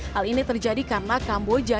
hal ini terjadi karena kamboja